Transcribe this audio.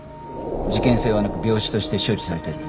事件性はなく病死として処理されてる。